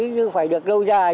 chứ không phải được lâu dài